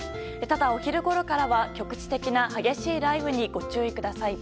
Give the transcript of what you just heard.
ただ、お昼ごろからは局地的な激しい雷雨にご注意ください。